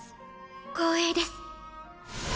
光栄です